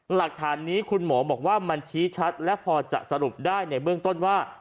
หลักฐานนี้คุณหมอบอกว่ามันชี้ชัดและพอจะสรุปได้ในเบื้องต้นว่า